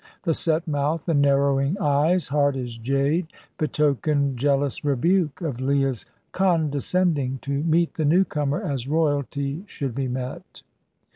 The set mouth, the narrowing eyes, hard as jade, betokened jealous rebuke of Leah's condescending to meet the newcomer as royalty should be met.